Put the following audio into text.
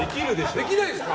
できないんですか？